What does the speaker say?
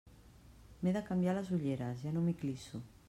M'he de canviar les ulleres, ja no m'hi clisso.